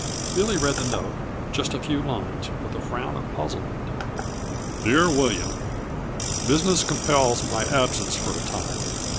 Billy read the note just a few lines, with a frown of puzzlement. Dear William: Business compels my absence for a time.